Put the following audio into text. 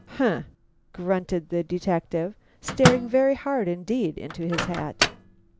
"Humph!" grunted the detective, staring very hard indeed into his hat.